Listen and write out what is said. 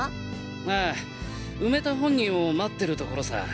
あぁ埋めた本人を待ってるところさ。